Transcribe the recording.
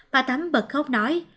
bà thắm bật khóc nói